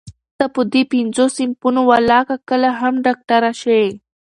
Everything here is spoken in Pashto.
ته په دې پينځو صنفونو ولاکه کله هم ډاکټره شې.